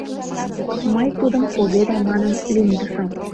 Мый тудым «Победа» манын лӱмдышым.